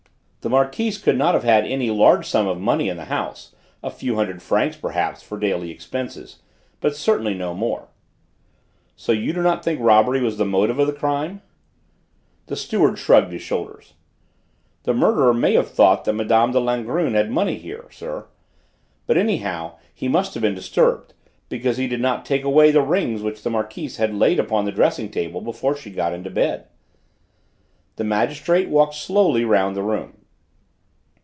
"The Marquise could not have had any large sum of money in the house: a few hundred francs perhaps for daily expenses, but certainly no more." "So you do not think robbery was the motive of the crime?" The steward shrugged his shoulders. "The murderer may have thought that Mme. de Langrune had money here, sir. But anyhow he must have been disturbed, because he did not take away the rings the Marquise had laid upon the dressing table before she got into bed." The magistrate walked slowly round the room.